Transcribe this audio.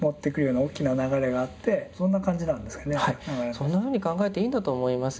そんなふうに考えていいんだと思います。